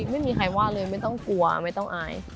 ไม่มีใครว่าเลยไม่ต้องกลัวไม่ต้องอาย